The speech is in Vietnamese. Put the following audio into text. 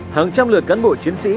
hàng trăm lượt cán bộ chiến sĩ